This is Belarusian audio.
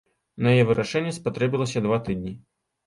На яе вырашэнне спатрэбілася два тыдні.